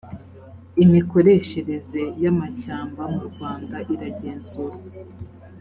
imikoreshereze y ‘amashyamba mu rwanda iragenzurwa.